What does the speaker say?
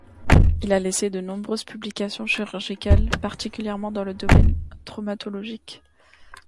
Il a laissé de nombreuses publications chirurgicales, particulièrement dans le domaine traumatologique.